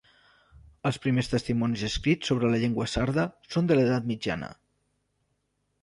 Els primers testimonis escrits sobre la llengua sarda són de l'edat mitjana.